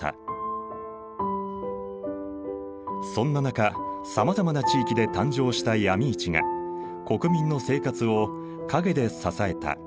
そんな中さまざまな地域で誕生した闇市が国民の生活を陰で支えた。